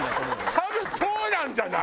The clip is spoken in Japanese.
多分そうなんじゃない？